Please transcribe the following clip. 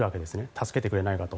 助けてくれないかと。